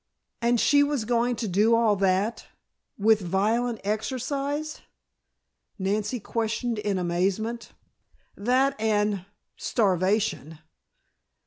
"And she was going to do all that with violent exercise?" Nancy questioned in amazement. "That and starvation."